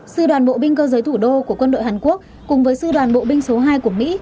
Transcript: sư đoàn bộ binh cơ giới thủ đô của quân đội hàn quốc cùng với sư đoàn bộ binh số hai của mỹ